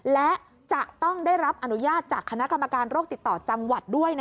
และจะต้องได้รับอนุญาตจากคณะกรรมการโรคติดต่อจังหวัดด้วย